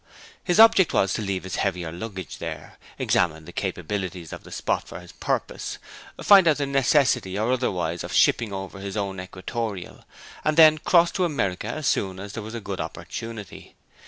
His object was to leave his heavier luggage there, examine the capabilities of the spot for his purpose, find out the necessity or otherwise of shipping over his own equatorial, and then cross to America as soon as there was a good opportunity.